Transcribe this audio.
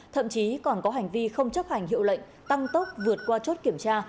thậm chí còn có hành vi không chấp hành hiệu lệnh tăng tốc vượt qua chốt kiểm tra